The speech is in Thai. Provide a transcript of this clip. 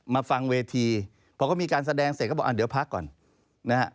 มาฟังเวทีพอก็มีการแสดงเสร็จก็บอกอ่ะเดี๋ยวพักก่อนนะฮะ